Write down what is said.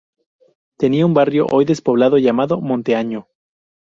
Tenía un barrio hoy despoblado llamado Monte Año.